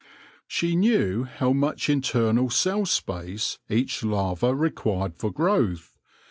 She knew how much internal cell space each larva required for growth.